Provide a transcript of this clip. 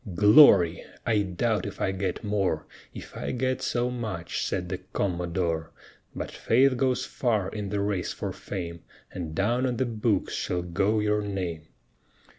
"Glory! I doubt if I get more, If I get so much," said the Commodore; "But faith goes far in the race for fame, And down on the books shall go your name."